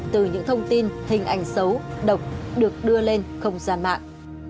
từ những thông tin hình ảnh xấu độc được đưa lên không gian mạng